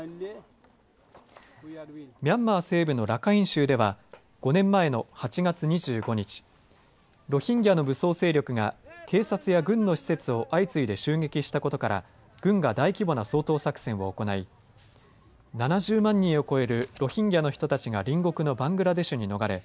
ミャンマー西部のラカイン州では５年前の８月２５日ロヒンギャの武装勢力が警察や軍の施設を相次いで襲撃したことから軍が大規模な掃討作戦を行い７０万人を超えるロヒンギャの人たちが隣国のバングラデシュに逃れ